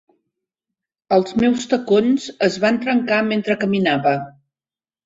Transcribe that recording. Els meus tacons es van trencar mentre caminava.